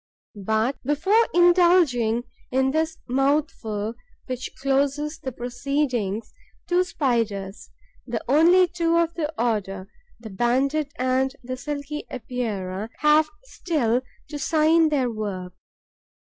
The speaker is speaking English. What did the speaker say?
But, before indulging in this mouthful, which closes the proceedings, two Spiders, the only two of the order, the Banded and the Silky Epeira, have still to sign their work.